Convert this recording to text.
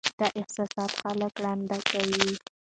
دا احساسات خلک ړانده کوي.